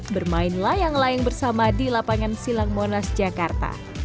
bermain layang layang bersama di lapangan silang monas jakarta